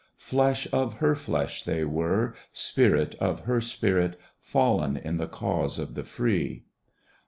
Flesh of her flesh they were, spirit of her spirit. Fallen in the cause of the free.